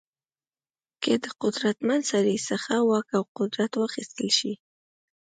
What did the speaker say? که د قدرتمن سړي څخه واک او قدرت واخیستل شي.